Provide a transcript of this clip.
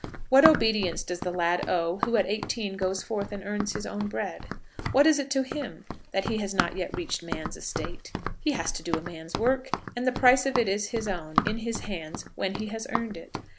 What obedience does the lad owe who at eighteen goes forth and earns his own bread? What is it to him that he has not yet reached man's estate? He has to do a man's work, and the price of it is his own, in his hands, when he has earned it.